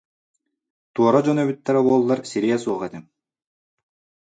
Туора дьон эбиттэрэ буоллар сириэ суох этим